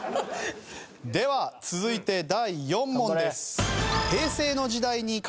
では続いて第４問です。